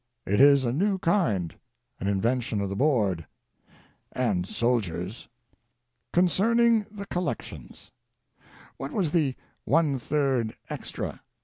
It is a new kind: an invention of the Board — and "soldiers." CONCERNING THE COLLECTIONS. What was the "one third extra" ?